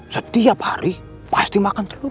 setiap hari pasti makan telur